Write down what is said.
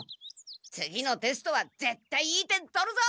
次のテストはぜったいいい点取るぞ！